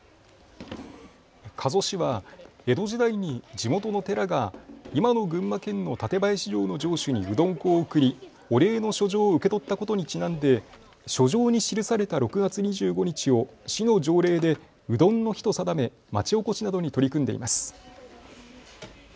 加須市は江戸時代に地元の寺が今の群馬県の館林城の城主にうどん粉を贈り、お礼の書状を受け取ったことにちなんで書状に記された６月２５日を市の条例でうどんの日と定め町おこしなどに取り組んでいます。